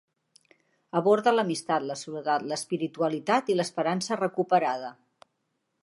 Aborda l'amistat, la soledat, l'espiritualitat i l'esperança recuperada.